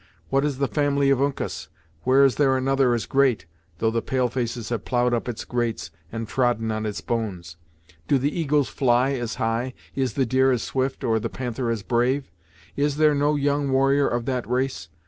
What is the family of Uncas? Where is another as great, though the pale faces have ploughed up its grates, and trodden on its bones? Do the eagles fly as high, is the deer as swift or the panther as brave? Is there no young warrior of that race?